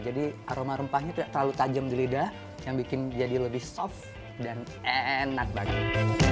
jadi aroma rempahnya tidak terlalu tajam di lidah yang membuat lebih soft dan enak banget